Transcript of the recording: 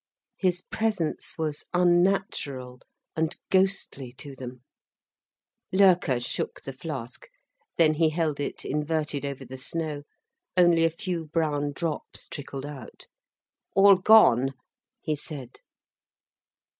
His presence was unnatural and ghostly to them. Loerke shook the flask—then he held it inverted over the snow. Only a few brown drops trickled out. "All gone!" he said.